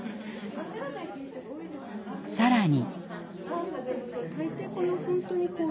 更に。